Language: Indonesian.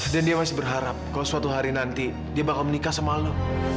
dan dia masih berharap kalau suatu hari nanti dia bakal menikah sama lu